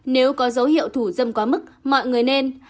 nếu có dấu hiệu thủ dâm quá mức mọi người nên